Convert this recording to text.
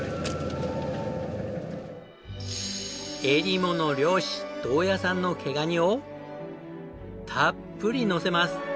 えりもの漁師銅谷さんの毛ガニをたっぷりのせます。